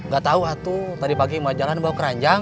gatau atu tadi pagi mau jalan bawa keranjang